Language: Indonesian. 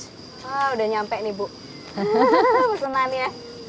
sudah sampai nih bu pesenannya